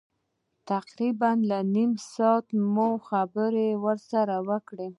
تقریبا نیم ساعت مو خبرې سره وکړې.